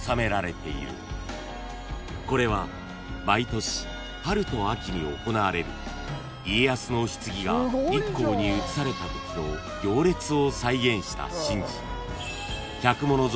［これは毎年春と秋に行われる家康の棺が日光に移されたときの行列を再現した神事］